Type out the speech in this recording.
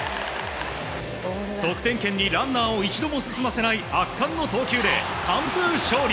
得点圏にランナーを一度も進ませない圧巻の投球で、完封勝利。